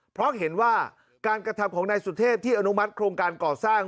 เพราะเห็นว่าการกระทำของนายสุเทพที่อนุมัติโครงการก่อสร้าง